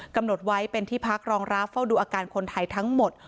กำหนดไว้เป็นที่พักรองรับเฝ้าดูอาการคนไทยทั้งหมด